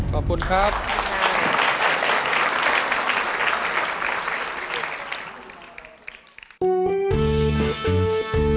ขอบคุณครับ